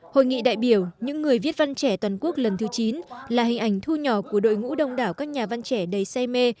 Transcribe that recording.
hội nghị đại biểu những người viết văn trẻ toàn quốc lần thứ chín là hình ảnh thu nhỏ của đội ngũ đông đảo các nhà văn trẻ đầy say mê